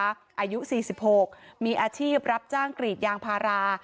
อายุ๔๖มีอาชีพรับจ้างกรีดยางพารา